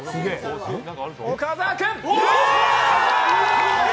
岡澤君！